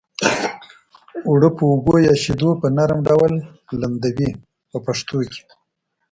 اوړه په اوبو یا شیدو په نرم ډول لمدوي په پښتو کې.